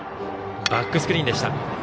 バックスクリーンでした。